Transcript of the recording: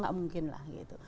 gak mungkin lah gitu